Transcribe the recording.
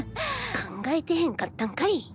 考えてへんかったんかい！？